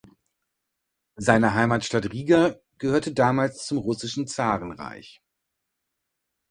Seine Heimatstadt Riga gehörte damals zum Russischen Zarenreich.